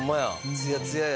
ツヤツヤや。